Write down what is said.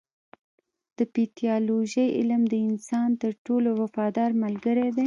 د پیتالوژي علم د انسان تر ټولو وفادار ملګری دی.